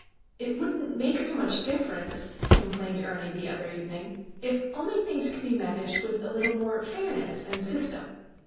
"It wouldn't make so much difference," complained Ernie the other evening, "if only things could be managed with a little more fairness and system.